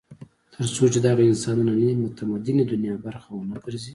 تر څو چې دغه انسان د نننۍ متمدنې دنیا برخه ونه ګرځي.